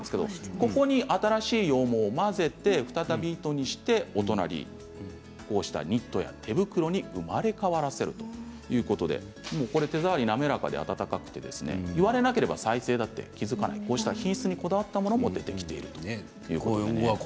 ここに新しい羊毛を混ぜて再び糸にしてお隣にあるニットや手袋に生まれ変わらせるということで手触りが滑らかで暖かくて言われなければ再生だと気付かない品質にこだわったものも出ているんです。